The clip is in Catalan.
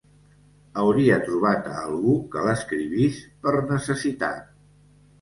Hauria trobat a algú que l'escrivís, per necessitat.